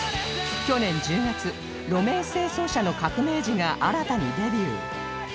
去年１０月路面清掃車の革命児が新たにデビュー